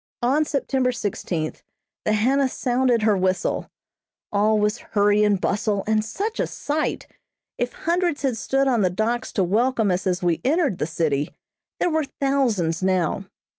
On September sixteenth the Hannah sounded her whistle all was hurry and bustle, and such a sight! If hundreds had stood on the docks to welcome us as we entered the city, there were thousands now.